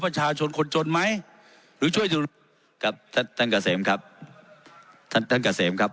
ประชาชนคนจนไหมหรือช่วยครับท่านกระเสมครับท่านกระเสมครับ